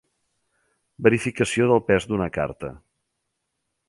Verificació del pes d'una carta.